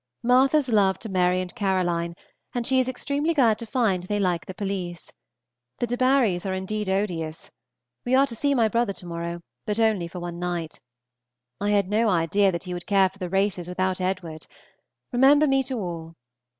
Martha's love to Mary and Caroline, and she is extremely glad to find they like the pelisse. The Debarys are indeed odious! We are to see my brother to morrow, but for only one night. I had no idea that he would care for the races without Edward. Remember me to all.